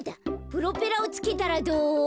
プロペラをつけたらどう？